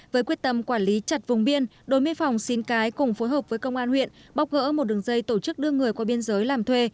với quyết tâm quản lý chặt vùng biên đồn biên phòng xín cái cùng phối hợp với công an huyện bóc gỡ một đường dây tổ chức đưa người qua biên giới làm thuê